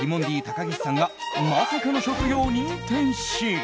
高岸さんがまさかの職業に転身。